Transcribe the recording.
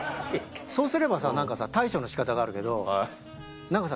そうすればさ何かさ対処の仕方があるけど何かさ